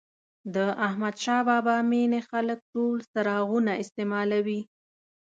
د احمدشاه بابا مېنې خلک ټول څراغونه استعمالوي.